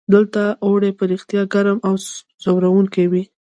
دلته اوړي په رښتیا ګرم او ځوروونکي وي.